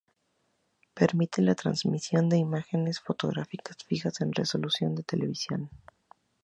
Permite la transmisión de imágenes fotográficas fijas con resolución de televisión.